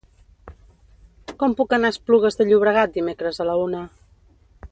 Com puc anar a Esplugues de Llobregat dimecres a la una?